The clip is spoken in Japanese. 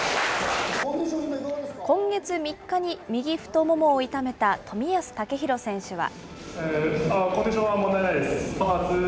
今月３日に右太ももを痛めた冨安健洋選手は。